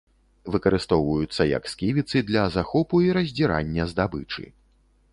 Выкарыстоўваюцца як сківіцы для захопу і раздзірання здабычы.